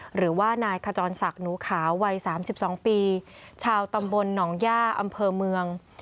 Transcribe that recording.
หรือว่านายขจรศักดิ์หนูขาววัย๓๒ปีชาวตำบลหนองย่าอำเภอเมือง